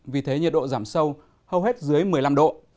vì thế nhiệt độ giảm sâu hầu hết dưới một mươi năm độ